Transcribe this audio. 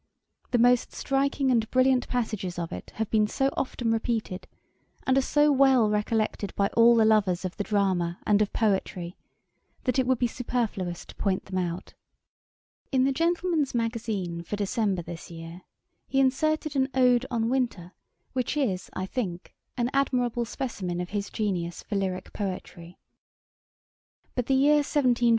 The most striking and brilliant passages of it have been so often repeated, and are so well recollected by all the lovers of the drama and of poetry, that it would be superfluous to point them out. In the Gentleman's Magazine for December this year, he inserted an 'Ode on Winter,' which is, I think, an admirable specimen of his genius for lyrick poetry. [Page 182: The Plan of the Dictionary.